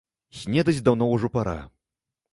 Снедаць даўно ўжо пара.